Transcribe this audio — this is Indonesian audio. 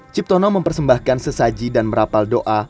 ciptono mempersembahkan sesaji dan merapal doa